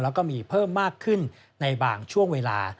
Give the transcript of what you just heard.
แล้วก็มีเพิ่มมากขึ้นในบางช่วงเวลา